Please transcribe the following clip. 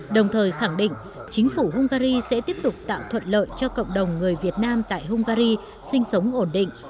đồng thời khẳng định chính phủ hungary sẽ tiếp tục tạo thuận lợi cho cộng đồng người việt nam tại hungary sinh sống ổn định